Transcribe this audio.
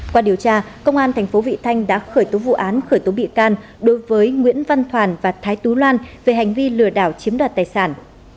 qua điều tra công an tp vị thanh đã khởi tố vụ án khởi tố bị can đối với nguyễn văn toàn và thái tú loan về hành vi lừa đảo chiếm đoạt tài sản